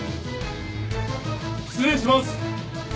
失礼します。